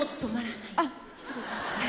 あっ失礼しました。